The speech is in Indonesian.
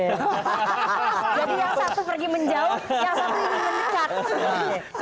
jadi yang satu pergi menjauh